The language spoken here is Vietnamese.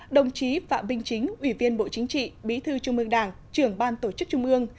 đồng chí phạm minh chính ủy viên bộ chính trị bí thư trung ương đảng trưởng ban tổ chức trung ương